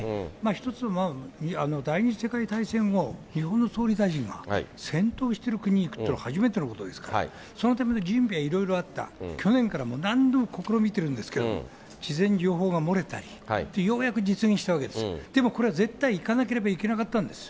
一つは第２次世界大戦後、日本の総理大臣が戦闘している国に行くというのは初めてのことですから、そのための準備はいろいろあった、去年から、何度も試みてるんですけれども、事前に情報が漏れたり、で、ようやく実現したうえですから、でもこれは、絶対行かなければいけなかったんです。